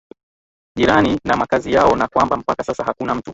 jirani na makazi yao na kwamba mpaka sasa hakuna mtu